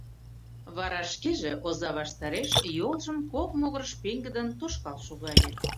Вара шкеже оза ваштареш йолжым кок могырыш пеҥгыдын тошкал шогале.